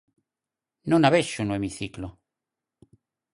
Non a vexo no hemiciclo.